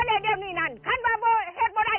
ทำให้เกิดปัชฎพลลั่นธมเหลืองผู้สื่อข่าวไทยรัฐทีวีครับ